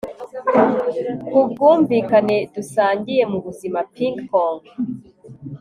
kubwumvikane dusangiye mubuzima ping-pong